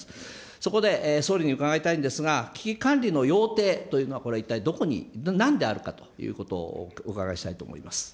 そこで総理に伺いたいんですが、危機管理の要諦というのは、これは一体どこに、なんであるかということをお伺いしたいと思います。